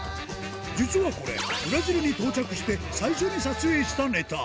実はこれ、ブラジルに到着して、最初に撮影したネタ。